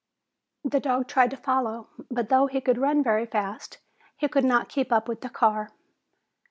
The dog tried to follow, but though he could run very fast, he could not keep up with the car.